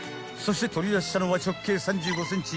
［そして取り出したのは直径３５ｃｍ］